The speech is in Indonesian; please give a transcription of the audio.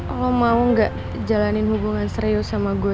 lo mau nggak jalanin hubungan serius sama gue